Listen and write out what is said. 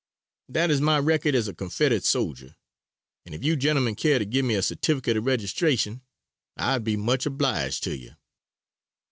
That is my record as a Confederate soldier, and if you gentlemen care to give me a certificate of registration, I would be much obliged to you."